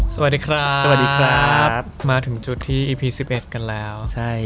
สวัสดีครับสวัสดีครับมาถึงจุดที่อีพี๑๑กันแล้วใช่